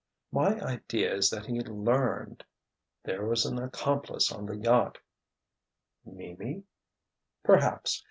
"My idea is that he learned—there was an accomplice on the yacht——" "Mimi?" "Perhaps!